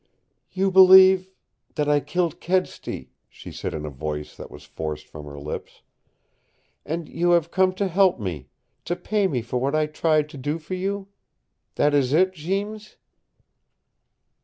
"You believe that I killed Kedsty," she said in a voice that was forced from her lips. "And you have come to help me to pay me for what I tried to do for you? That is it Jeems?"